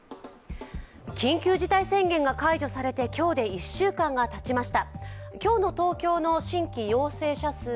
緊急事態宣言が解除されて今日で１週間がたちました。